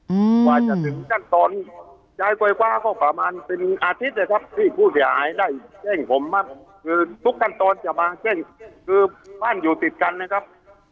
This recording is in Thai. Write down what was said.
อื้มบาทจะถึงขั้งตอนมาก็ประมาณเป็นอาทิตย์เลยครับมึงพูดอยาหายไชก์ผมมาคือทุกขั้งตอนจะมาเช่นคือบ้านอยู่ติดกันนะครับ